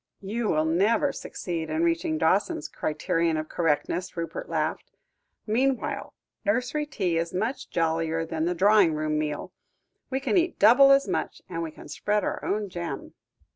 "You will never succeed in reaching Dawson's criterion of correctness," Rupert laughed; "meanwhile, nursery tea is much jollier than the drawing room meal. We can eat double as much, and we can spread our own jam."